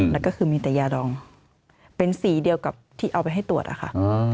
แล้วก็คือมีแต่ยาดองเป็นสีเดียวกับที่เอาไปให้ตรวจอะค่ะ